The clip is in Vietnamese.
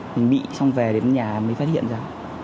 mình bị xong về đến nhà mới phát hiện ra